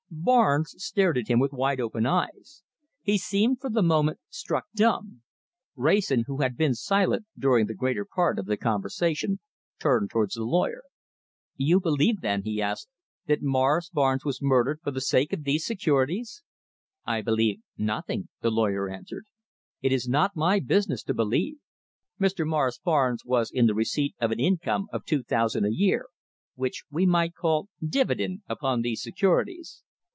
Barnes stared at him with wide open eyes. He seemed, for the moment, struck dumb. Wrayson, who had been silent during the greater part of the conversation, turned towards the lawyer. "You believe, then," he asked, "that Morris Barnes was murdered for the sake of these securities?" "I believe nothing," the lawyer answered. "It is not my business to believe. Mr. Morris Barnes was in the receipt of an income of two thousand a year, which we might call dividend upon these securities.